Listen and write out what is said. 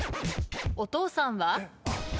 お父さんは？